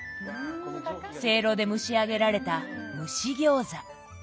せいろで蒸し上げられた蒸し餃子。